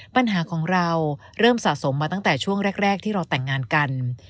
ปัญหาของเราเริ่มสะสมมาตั้งแต่ช่วงแรกที่เราแต่งงานกัน